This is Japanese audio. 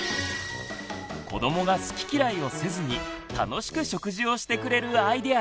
子どもが好き嫌いをせずに楽しく食事をしてくれるアイデアや。